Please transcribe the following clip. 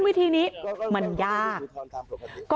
วิธีนี้มันยาก